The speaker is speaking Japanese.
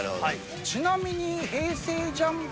ちなみに。